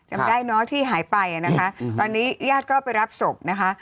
จำได้เนอะที่หายไปนะคะตอนนี้ญาติก็ไปรับศพนะคะ